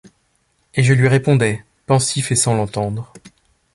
Et je lui répondais, pensif et sans l’entendre.